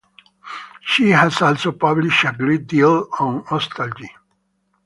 She has also published a great deal on Ostalgie.